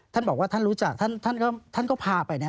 ท่านบอกว่าท่านรู้จักท่านก็พาไปนะ